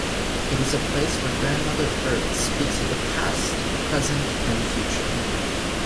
It is a place where Grandmother Earth speaks of the past, present and future.